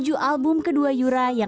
siapa masalahnya ini